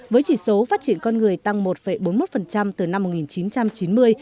với chỉ số phát triển con người tăng một bốn mươi một từ năm một nghìn chín trăm chín mươi